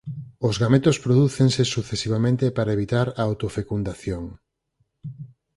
Os gametos prodúcense sucesivamente para evitar a autofecundación.